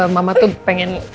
mama tuh pengen